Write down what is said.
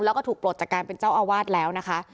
แล้วก็ถูกปลดจากการเป็นเจ้าอาวาสแล้วนะคะ